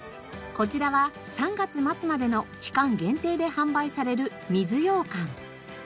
こちらは３月末までの期間限定で販売される水羊かん。